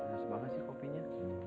aras banget sih kopinya